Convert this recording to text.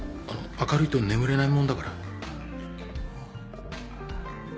明るいと眠れないもんだから。